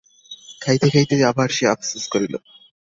খাইতে খাইতে আবার সে আপসোস করিল।